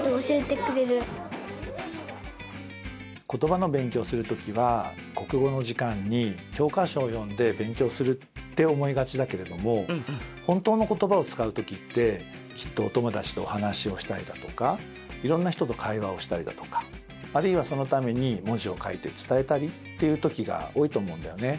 言葉の勉強をする時は国語の時間に教科書を読んで勉強するって思いがちだけれども本当の言葉を使う時ってきっとお友だちと話をしたりだとかいろんな人と会話をしたりだとかあるいはそのために文字を書いて伝えたりっていう時が多いと思うんだよね。